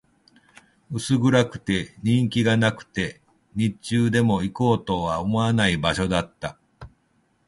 薄暗くて、人気がなくて、日中でも行こうとは思わない場所だった